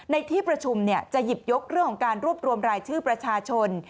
ในที่ประชุมจะหยิบยกเรื่องของการรวบรวมรายชื่อประชาชน